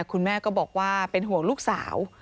คุณแม่ก็บอกว่าเป็นห่วงลูกสาว